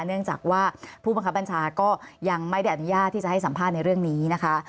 เนื่องจากว่าผู้บังคับบัญชาก็ยังไม่ได้อนุญาตที่จะให้สัมภาษณ์ในเรื่องนี้นะคะ